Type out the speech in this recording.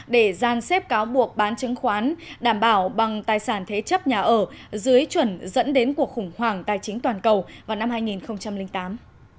để gian xếp cáo buộc bán chứng khoán đảm bảo bằng tài sản thế chấp nhà ở dưới chuẩn dẫn đến cuộc khủng hoảng tài chính toàn cầu vào năm hai nghìn tám